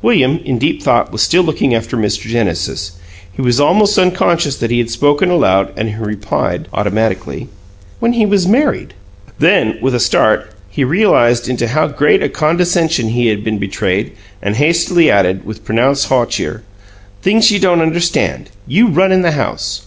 William, in deep thought, was still looking after Mr. Genesis; he was almost unconscious that he had spoken aloud and he replied, automatically: "When he was married." Then, with a start, he realized into how great a condescension he had been betrayed, and hastily added, with pronounced hauteur, "Things you don't understand. You run in the house."